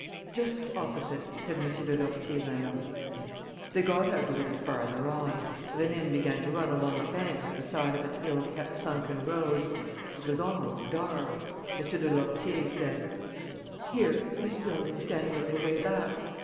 "Just opposite," said M. de Lourtier Vaneau. They got out a little farther on. Rénine began to run along a bank at the side of an ill kept sunken road. It was almost dark. M. de Lourtier said: "Here, this building standing a little way back....